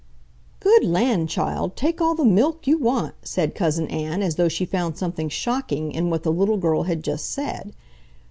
"Good land, child, take all the MILK you want!" said Cousin Ann, as though she found something shocking in what the little girl had just said.